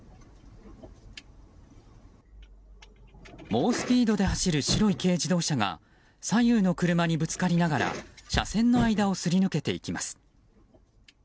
猛スピードで走る白い軽自動車が左右の車にぶつかりながら車線の間をすり抜けていきます。